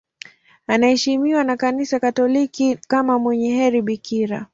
Anaheshimiwa na Kanisa Katoliki kama mwenye heri bikira.